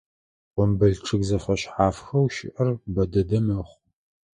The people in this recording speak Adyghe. Къумбыл чъыг зэфэшъхьафхэу щыӏэр бэ дэдэ мэхъу.